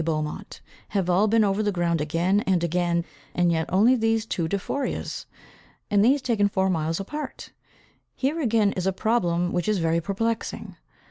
Beaumont, have all been over the ground again and again, and yet only these two Dufoureas! and these taken four miles apart. Here again is a problem which is very perplexing!